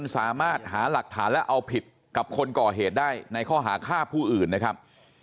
สามารถหาหลักฐานและเอาผิดกับคนก่อเหตุได้ในข้อหาฆ่าผู้อื่นนะครับ